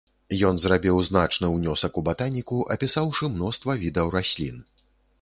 Ён зрабіў значны ўнёсак у батаніку, апісаўшы мноства відаў раслін.